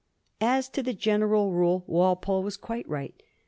As to the general rule Walpole was quite right.